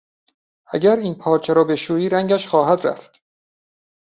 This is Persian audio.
اگر این پارچه را بشویی رنگش خواهد رفت.